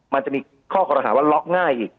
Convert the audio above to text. มันจะมีข้อกรณาศาสตร์ว่าล็อกง่ายอีก